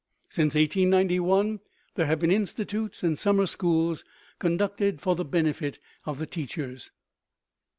Since 1891 there have been institutes and summer schools conducted for the benefit of the teachers.